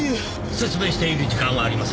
説明している時間はありません。